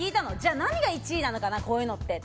何が１位なのかな、こういうのってって。